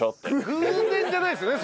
偶然じゃないですよね